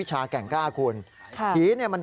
สายลูกไว้อย่าใส่